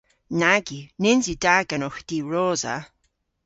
Nag yw. Nyns yw da genowgh diwrosa.